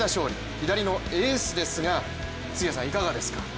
左のエースですが、杉谷さん、いかがですか。